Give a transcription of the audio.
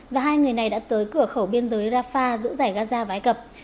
và hai người này đã tới cửa khẩu biên giới rafah giữa giải gaza và ai cập